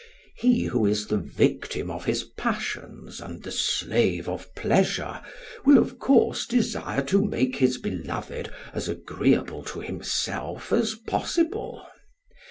He who is the victim of his passions and the slave of pleasure will of course desire to make his beloved as agreeable to himself as possible.